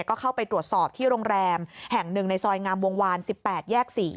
ก็เข้าไปตรวจสอบที่โรงแรมแห่งหนึ่งในซอยงามวงวาน๑๘แยก๔